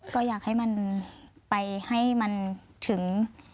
ก็อยากให้มันไปให้มันถึง